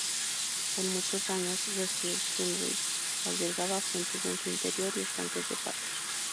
Por muchos años, Westfield Sunrise albergaba fuentes en su interior y estanques de patos.